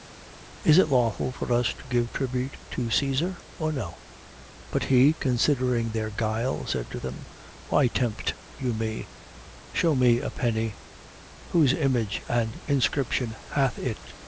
20:22. Is it lawful for us to give tribute to Caesar, or no? 20:23. But he, considering their guile, said to them: Why tempt you me? 20:24. Shew me a penny. Whose image and inscription hath it?